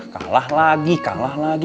kalah lagi kalah lagi